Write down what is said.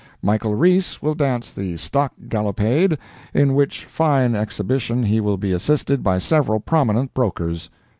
MICHAEL REESE will dance the Stock Gallopade, in which fine exhibition he will be assisted by several prominent brokers.